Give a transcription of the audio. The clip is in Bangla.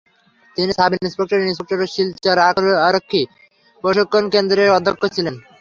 তিনি সাব-ইন্সপেক্টর, ইন্সপেক্টর ও শিলচর আরক্ষী প্রশিক্ষন কেন্দ্রের অধ্যক্ষ ছিলেন।